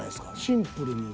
シンプルに。